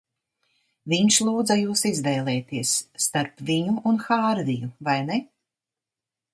Viņš lūdza jūs izvēlēties starp viņu un Hārviju, vai ne?